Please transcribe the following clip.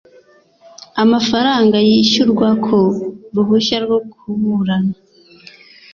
Amafaranga yishyurwa ku ruhushya rwo kuburana